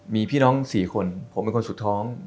มีพี่น้อง๔คนผมเป็นคนสุดท้อง